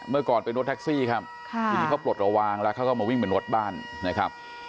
เมื่อก่อนเป็นรถแท็กซี่ครับทีนี้เขาปลดระวังแล้วเขาก็มาวิ่งเป็นรถบ้านนะครับ